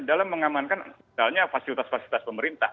dalam mengamankan misalnya fasilitas fasilitas pemerintah